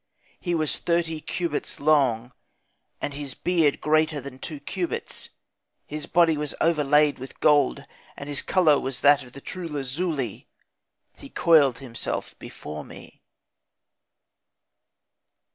He was thirty cubits long, and his beard greater than two cubits; his body was as overlayed with gold, and his colour as that of true lazuli. He coiled himself before me.